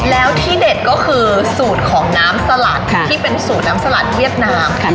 แล้วที่เด็ดก็คือสูตรของน้ำสลัดที่เป็นสูตรน้ำสลัดเวียดนาม